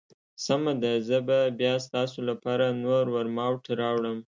سمه ده، زه به بیا ستاسو لپاره نور ورماوټ راوړم.